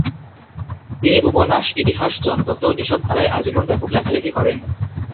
তিনি উপন্যাস, ইতিহাস, জনতত্ত্ব এসব ধারায় আজীবন ব্যাপক লেখালেখি করেন।